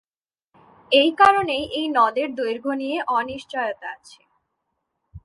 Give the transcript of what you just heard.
এই কারণেই এই নদের দৈর্ঘ্য নিয়ে অনিশ্চয়তা আছে।